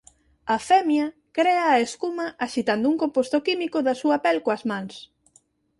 A femia crea a escuma axitando un composto químico da súa pel coas mans.